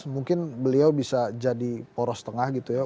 mungkin beliau bisa jadi poros tengah gitu ya